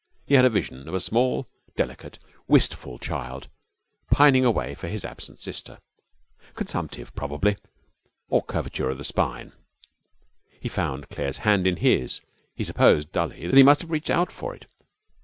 He had a vision of a small, delicate, wistful child pining away for his absent sister. Consumptive probably. Or curvature of the spine. He found Claire's hand in his. He supposed dully he must have reached out for it.